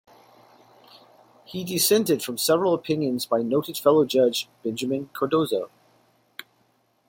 He dissented from several opinions by noted fellow judge Benjamin Cardozo.